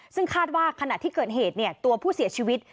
ซึ่งคาดว่าขณะที่เกิดเหตุตัวผู้เสียชีวิต